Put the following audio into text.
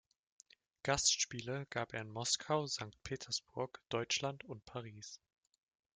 Gastspiele gab er in Moskau, Sankt Petersburg, Deutschland und Paris.